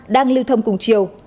đang lưu thông cùng chiều